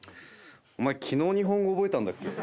お前昨日日本語覚えたっけ？